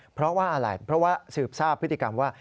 เพราะว่าอะไรเพราะว่าสืบทราบพฤติกรรมว่า